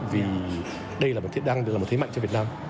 vì đây đang được làm một thế mạnh cho việt nam